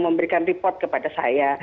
memberikan report kepada saya